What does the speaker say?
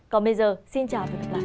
còn bây giờ xin chào và hẹn gặp lại